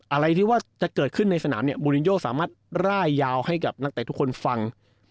อะไรที่ว่าจะเกิดขึ้นในสนามเนี่ยบูรินโยสามารถร่ายยาวให้กับนักเตะทุกคนฟัง